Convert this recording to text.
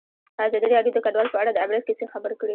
ازادي راډیو د کډوال په اړه د عبرت کیسې خبر کړي.